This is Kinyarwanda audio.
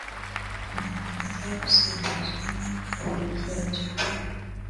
unakomeza gusumbirizwa n’ingabo za Ethiopia